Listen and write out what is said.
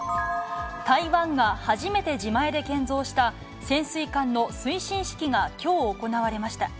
台湾が初めて自前で建造した、潜水艦の進水式がきょう行われました。